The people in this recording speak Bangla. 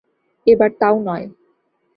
এবার তাও নয়।